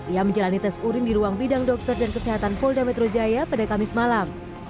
ia menjalani tes urin di ruang bidang dokter dan kesehatan polda metro jaya pada kamis malam